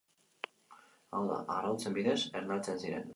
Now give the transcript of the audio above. Hau da, arrautzen bidez ernaltzen ziren.